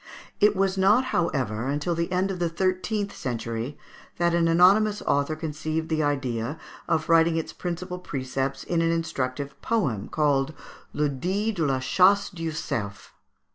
It was not, however, until the end of the thirteenth century that an anonymous author conceived the idea of writing its principal precepts in an instructive poem, called "Le Dict de la Chace du Cerf."